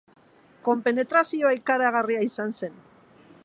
Konpenetrazioa ikaragarria izan zen.